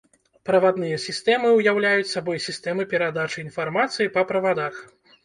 Правадныя сістэмы ўяўляюць сабой сістэмы перадачы інфармацыі па правадах.